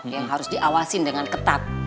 yang harus diawasin dengan ketat